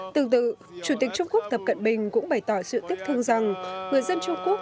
tương tự chủ tịch trung quốc tập cận bình cũng bày tỏ sự tiếc thương rằng người dân trung quốc